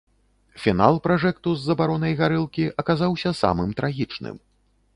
Фінал пражэкту з забаронай гарэлкі аказаўся самым трагічным.